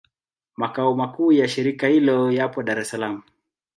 Makao makuu ya shirika hilo yapo Dar es Salaam.